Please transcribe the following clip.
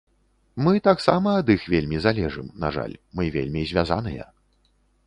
Мы таксама ад іх вельмі залежым, на жаль, мы вельмі звязаныя.